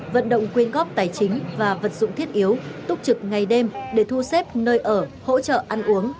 vận động quyên góp tài chính và vật dụng thiết yếu túc trực ngày đêm để thu xếp nơi ở hỗ trợ ăn uống